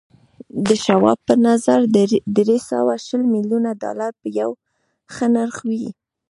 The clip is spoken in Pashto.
د شواب په نظر دري سوه شل ميليونه ډالر به يو ښه نرخ وي.